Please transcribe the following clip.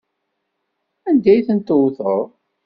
Anda ay tent-tewteḍ?